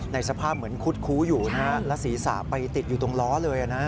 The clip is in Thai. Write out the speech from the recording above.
สภาพเหมือนคุดคู้อยู่นะฮะแล้วศีรษะไปติดอยู่ตรงล้อเลยนะ